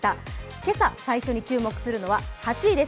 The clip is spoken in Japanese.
今朝、最初に注目するのは８位です。